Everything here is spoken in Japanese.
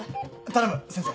頼む先生。